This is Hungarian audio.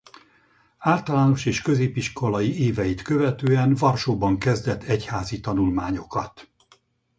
Általános és középiskolai éveit követően Varsóban kezdett egyházi tanulmányokat.